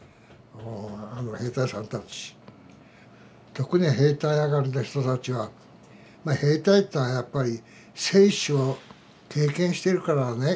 特に兵隊あがりの人たちは兵隊というのはやっぱり生死を経験してるからねこれは。